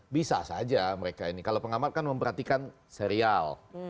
bisa saja mereka ini kalau pengamat kan memperhatikan serial